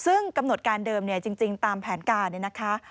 ซึ่งกำหนดการเดิมจริงตามแผนการนะคะ